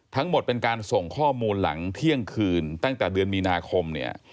ทั้งหมดเป็นการส่งข้อมูลหลังเที่ยงคืนตั้งแต่เดือนมีนาคมเนี่ย